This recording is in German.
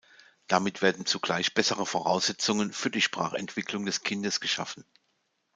Damit werden zugleich bessere Voraussetzungen für die Sprachentwicklung des Kindes geschaffen.